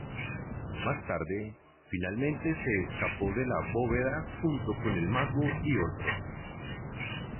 Más tarde, finalmente se escapó de la Bóveda junto con el Mago y otros.